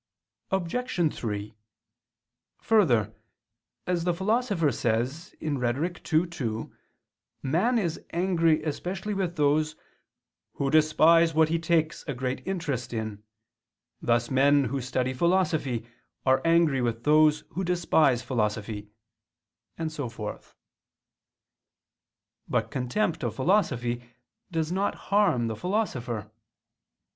Obj. 3: Further, as the Philosopher says (Rhet. ii, 2) man is angry especially with those "who despise what he takes a great interest in; thus men who study philosophy are angry with those who despise philosophy," and so forth. But contempt of philosophy does not harm the philosopher.